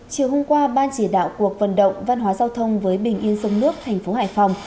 chiều hôm qua ban chỉ đạo cuộc vận động văn hóa giao thông với bình yên sông nước thành phố hải phòng